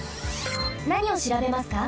なにをしらべますか？